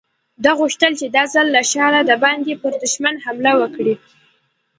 ده غوښتل چې دا ځل له ښاره د باندې پر دښمن حمله وکړي.